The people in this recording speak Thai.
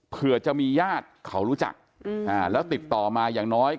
เผื่อจะมีญาติเขารู้จักแล้วติดต่อมาอย่างน้อย